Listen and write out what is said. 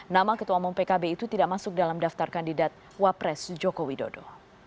nama ketua umum pkb itu tidak masuk dalam daftar kandidat wapres joko widodo